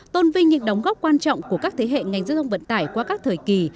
tôn vinh những đóng góp quan trọng của các thế hệ ngành giao thông vận tải qua các thời kỳ